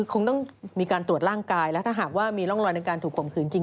คงต้องมีการตรวจร่างกายและถ้าหากว่ามีร่องรอยในการถูกข่มขืนจริง